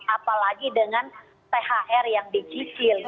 apalagi dengan thr yang dijicil gitu